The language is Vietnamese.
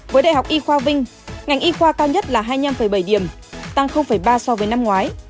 với đại học y khoa vinh ngành y khoa cao nhất là hai mươi năm bảy điểm tăng ba so với năm ngoái